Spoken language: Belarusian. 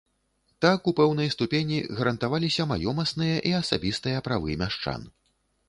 Так, у пэўнай ступені гарантаваліся маёмасныя і асабістыя правы мяшчан.